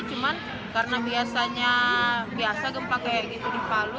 cuma karena biasa gempa kayak gitu di palu